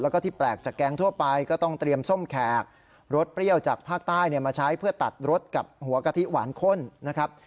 แล้วก็ที่แปลกจากแกงทั่วไปก็ต้องเตรียมส้มแขกรสเปรี้ยวจากภาคใต้มาใช้เพื่อตัดรสกับหัวกะทิหวานข้นนะครับ